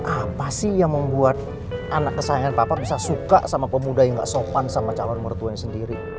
apa sih yang membuat anak kesayangan papa bisa suka sama pemuda yang gak sopan sama calon mertuanya sendiri